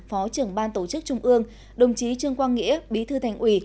phó trưởng ban tổ chức trung ương đồng chí trương quang nghĩa bí thư thành ủy